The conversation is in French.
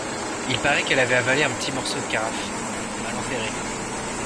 Il paraît qu’elle avait avalé un petit morceau de carafe… mal enterré.